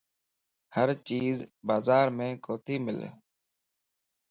ھر چيز بازار مَ ڪوتي ملَ